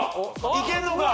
いけるのか？